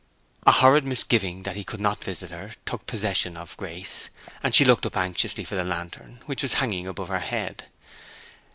A horrid misgiving that he could not visit her took possession of Grace, and she looked up anxiously for the lantern, which was hanging above her head.